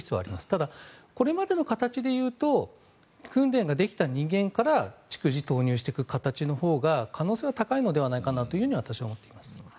ただこれまでの形で言うと訓練ができた人間から逐次投入していく形のほうが可能性は高いのではないかなと私は思っています。